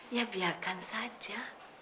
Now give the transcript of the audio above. ya biarkan saja